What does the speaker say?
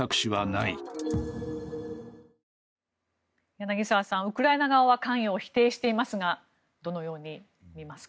柳澤さん、ウクライナ側は関与を否定していますがどのように見ますか？